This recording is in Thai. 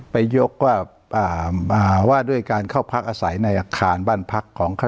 ยกว่าว่าด้วยการเข้าพักอาศัยในอาคารบ้านพักของเขา